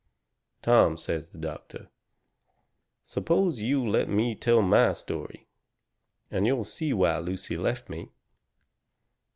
"Tom," says the doctor, "suppose you let me tell my story, and you'll see why Lucy left me."